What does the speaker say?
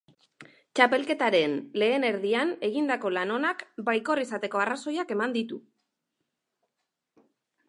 Txapelketaren lehen erdian egindako lan onak baikor izateko arrazoiak eman ditu.